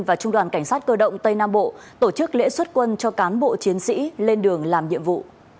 và trung đoàn cảnh sát cơ động tây nam bộ tổ chức lễ xuất quân cho cán bộ chiến sĩ lên đường làm nhiệm vụ